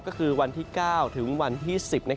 ก็คือวันที่๙ถึงวันที่๑๐